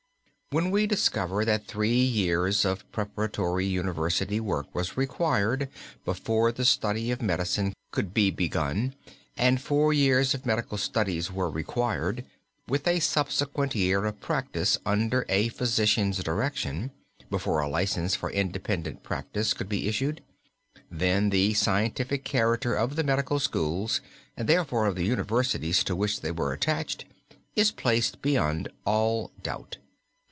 When we discover that three years of preparatory university work was required before the study of medicine could be begun, and four years of medical studies were required, with a subsequent year of practice under a physician's direction, before a license for independent practice could be issued, then the scientific character of the medical schools and therefore of the universities to which they were attached is placed beyond all doubt.